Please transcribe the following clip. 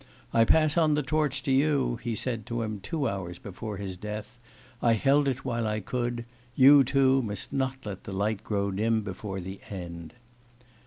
'I pass on the torch to you,' he said to him two hours before his death. 'I held it while I could; you, too, must not let the light grow dim before the end.